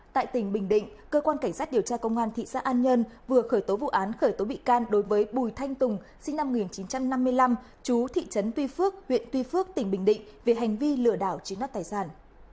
tại tỉnh bình định cơ quan cảnh sát điều tra công an thị xã an nhơn vừa khởi tố vụ án khởi tố bị can đối với bùi thanh tùng sinh năm một nghìn chín trăm năm mươi năm chú thị trấn tuy phước huyện tuy phước tỉnh bình định về hành vi lừa đảo chiếm đất tài sản